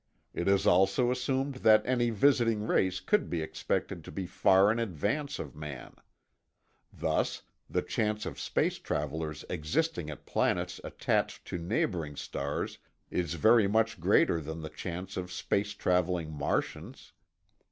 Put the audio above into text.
It is also assumed that any visiting race could be expected to be far in advance of man. Thus, the chance of space travelers existing at planets attached to neighboring stars is very much greater than the chance of space traveling Martians.